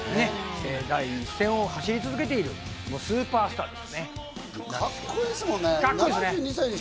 第一線を走り続けているスーパースターです。